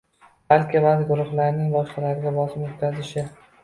balki ba’zi guruhlarning boshqalarga bosim o‘tkazishi